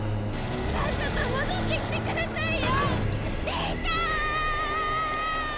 さっさと戻ってきてくださいよリタ！